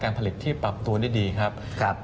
ผลิตที่ปรับตัวได้ดีครับ